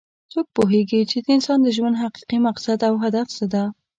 څوک پوهیږي چې د انسان د ژوند حقیقي مقصد او هدف څه ده